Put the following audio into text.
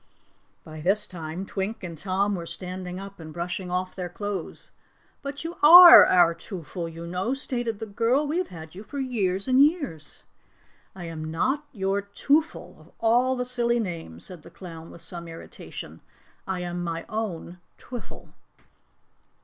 By this time Twink and Tom were standing up and brushing off their clothes. "But you are our Twoffle, you know," stated the girl. "We have had you for years and years." "I am not your Twoffle of all the silly names," said the clown with some irritation. "I am my own Twiffle."